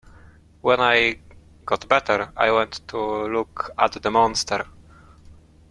When I got better, I went to look at the monster.